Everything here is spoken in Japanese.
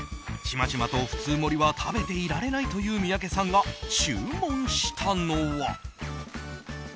ちまちまと、普通盛りは食べていられないという三宅さんが注文したのは。